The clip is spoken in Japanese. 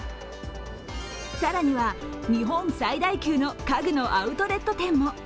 更には日本最大級の家具のアウトレット店も。